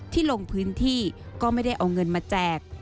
ลงพื้นที่ก็ไม่ได้เอาเงินมาแจก